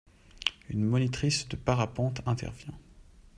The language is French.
Une monitrice de parapente intervient.